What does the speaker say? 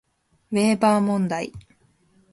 ウェーバー問題